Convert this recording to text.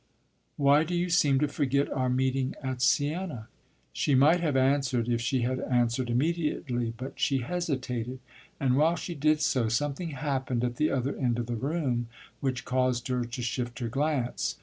"Why do you seem to forget our meeting at Siena?" She might have answered if she had answered immediately; but she hesitated, and while she did so something happened at the other end of the room which caused her to shift her glance.